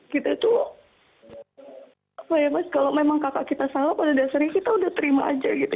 kita tuh apa ya mas kalau memang kakak kita salah pada dasarnya kita udah terima aja gitu